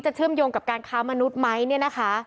เชื่อมโยงกับการค้ามนุษย์ไหมเนี่ยนะคะ